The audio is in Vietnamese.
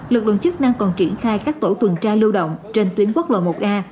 lực lượng chức năng còn triển khai các tổ tuần tra lưu động trên tuyến quốc lộ một a